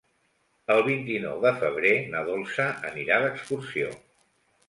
El vint-i-nou de febrer na Dolça anirà d'excursió.